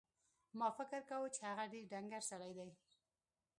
ما فکر کاوه چې هغه ډېر ډنګر سړی دی.